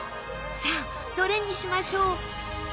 さあどれにしましょう？